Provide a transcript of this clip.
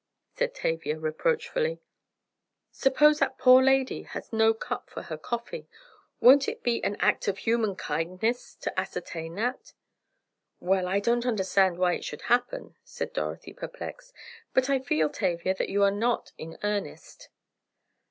said Tavia reproachfully. "Suppose that poor lady has no cup for her coffee? Won't it be an act of human kindness to ascertain that?" "Well, I don't understand why it should happen," said Dorothy, perplexed, "but I feel, Tavia, that you are not in earnest."